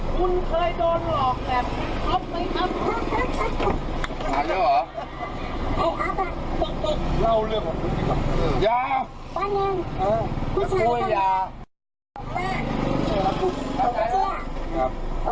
คุณเคยโดนหลอกแบบนี้ครบไหมครับ